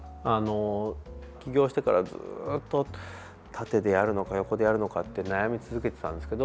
起業してからずっと縦でやるのか横でやるのかって悩み続けてきたんですけど